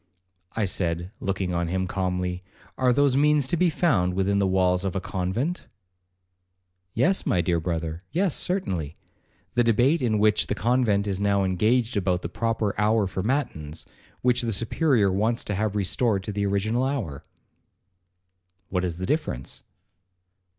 I said, looking on him calmly, 'Are those means to be found within the walls of a convent?' 'Yes, my dear brother,—yes, certainly,—the debate in which the convent is now engaged about the proper hour for matins, which the Superior wants to have restored to the original hour.' 'What is the difference?'